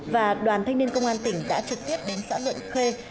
và đoàn thanh niên công an tỉnh đã trực tiếp đến xã luận khê